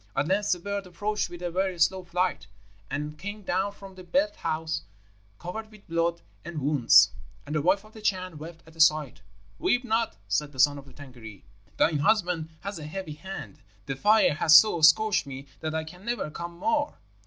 At length the bird approached with a very slow flight, and came down from the birdhouse covered with blood and wounds, and the wife of the Chan wept at the sight. 'Weep not,' said the son of the Tângâri; 'thine husband has a heavy hand. The fire has so scorched me that I can never come more.'